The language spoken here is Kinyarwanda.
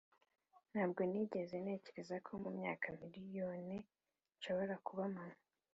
ntabwo nigeze ntekereza ko mumyaka miriyoni nshobora kuba mama